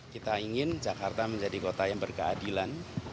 kita ingin jakarta menjadi kota yang berkeadilan